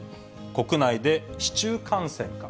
国内で市中感染か？